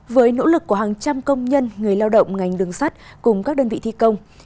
với nỗ lực của hàng trăm công nhân người lao động ngành đường sắt cùng các đơn vị thi công